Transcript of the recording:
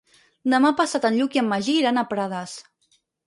Demà passat en Lluc i en Magí iran a Prades.